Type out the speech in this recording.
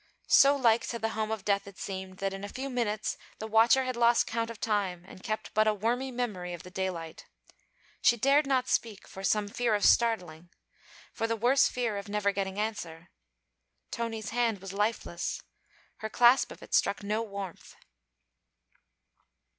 So like to the home of death it seemed, that in a few minutes the watcher had lost count of time and kept but a wormy memory of the daylight. She dared not speak, for some fear of startling; for the worse fear of never getting answer. Tony's hand was lifeless. Her clasp of it struck no warmth.